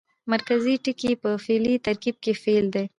مرکزي ټکی په فعلي ترکیب کښي فعل يي.